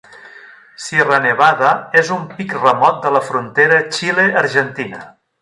Sierra Nevada és un pic remot de la frontera Xile-Argentina.